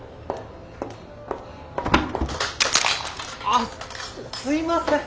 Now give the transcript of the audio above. あっすいません！